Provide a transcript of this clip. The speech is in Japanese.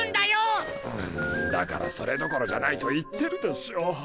だからそれどころじゃないと言ってるでしょ。